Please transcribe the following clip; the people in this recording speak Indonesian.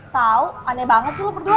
tahu aneh banget sih lo berdua